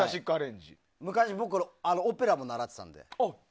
昔、僕オペラ習ってたので。